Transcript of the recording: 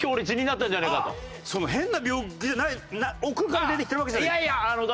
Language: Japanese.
変な病気じゃない奥から出てきてるわけじゃない？